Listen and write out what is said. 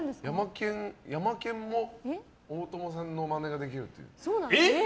ヤマケンも大友さんのまねができるという。